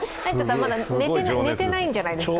まだ寝てないんじゃないですか？